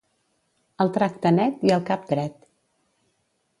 El tracte net i el cap dret.